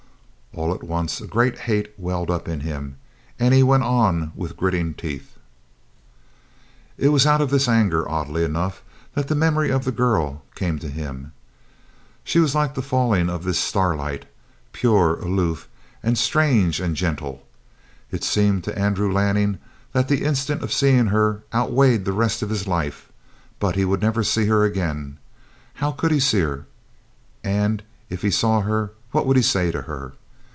All at once a great hate welled up in him, and he went on with gritting teeth. It was out of this anger, oddly enough, that the memory of the girl came to him. She was like the falling of this starlight, pure, aloof, and strange and gentle. It seemed to Andrew Lanning that the instant of seeing her outweighed the rest of his life, but he would never see her again. How could he see her, and if he saw her, what would he say to her?